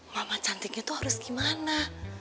mama cantiknya tuh harus gimana